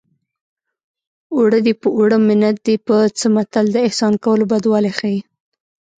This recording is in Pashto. اوړه دې په اوړه منت دې په څه متل د احسان کولو بدوالی ښيي